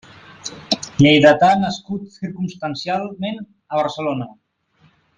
Lleidatà nascut circumstancialment a Barcelona.